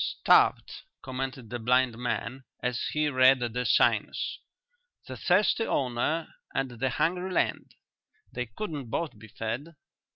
"Starved," commented the blind man, as he read the signs. "The thirsty owner and the hungry land: they couldn't both be fed."